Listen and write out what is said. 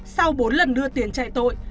sau bốn lần đưa tiền chạy tội